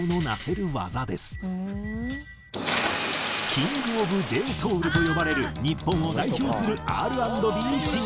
キング・オブ・Ｊソウルと呼ばれる日本を代表するＲ＆Ｂシンガー。